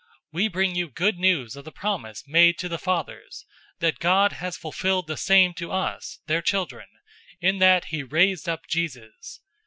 013:032 We bring you good news of the promise made to the fathers, 013:033 that God has fulfilled the same to us, their children, in that he raised up Jesus.